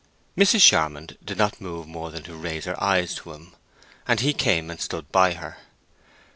Mrs. Charmond did not move more than to raise her eyes to him, and he came and stood by her.